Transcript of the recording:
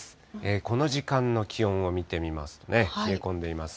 この時間の気温を見てみますとね、冷え込んでいますが。